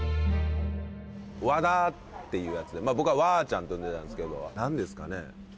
和田っていうやつでまあ僕はわーちゃんって呼んでたんですけど何ですかね